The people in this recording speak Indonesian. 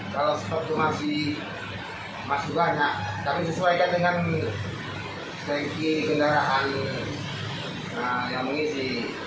kalau seperti masih masuk banyak tapi sesuaikan dengan steki kendaraan yang mengisi